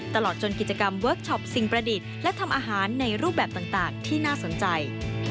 ตลอดจนกิจกรรมเวิร์คชอปสิ่งประดิษฐ์และทำอาหารในรูปแบบต่างที่น่าสนใจ